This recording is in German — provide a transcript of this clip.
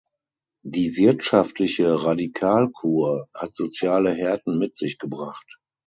Die wirtschaftliche Radikalkur hat soziale Härten mit sich gebracht.